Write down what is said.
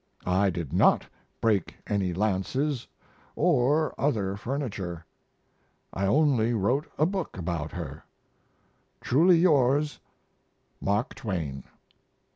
I did not break any lances or other furniture; I only wrote a book about her. Truly yours, MARK TWAIN.